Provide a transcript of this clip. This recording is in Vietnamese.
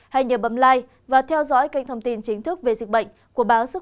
hãy nhớ bấm like và theo dõi kênh thông tin chính thức về dịch bệnh của báo sức khỏe và đời sống